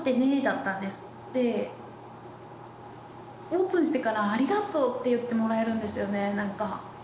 でオープンしてから「ありがとう」って言ってもらえるんですよねなんか。